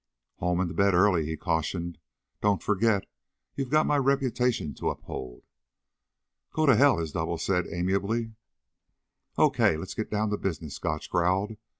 "Home and to bed early," he cautioned. "Don't forget you've got my reputation to uphold." "Go to hell," his double said amiably. "Okay, let's get down to business," Gotch growled.